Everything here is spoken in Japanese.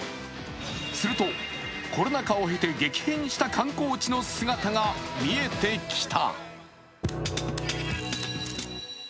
すると、コロナ禍を経て激変した観光地の姿が見えてきた。